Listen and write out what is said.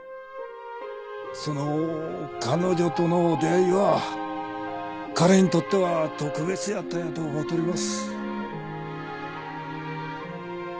その彼女との出会いは彼んとっては特別やったんやと思うとります。